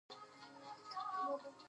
غریب ته یوه دروازه پورې سل خلاصې دي